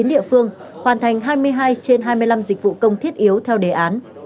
địa phương hoàn thành hai mươi hai trên hai mươi năm dịch vụ công thiết yếu theo đề án